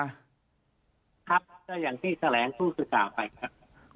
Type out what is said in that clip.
ครับอย่างที่แสลงผู้ศึกษาไปครับ